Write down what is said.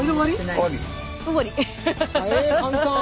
え簡単！